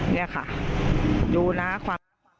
นี่ค่ะดูนะความ